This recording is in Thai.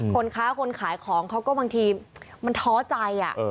คนค้าคนขายของเขาก็บางทีมันท้อใจ